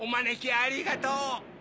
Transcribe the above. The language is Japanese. ありがとう。